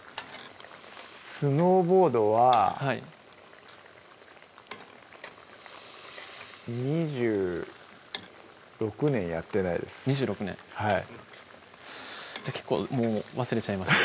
スノーボードははい２６年やってないです２６年結構もう忘れちゃいましたね